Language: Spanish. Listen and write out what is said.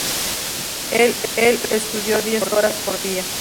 Él estudió diez horas por día.